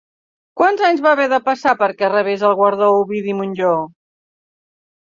Quants anys van haver de passar perquè rebés el guardó Ovidi Montllor?